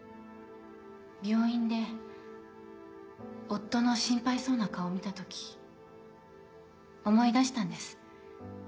病院で夫の心配そうな顔を見た時思い出したんです。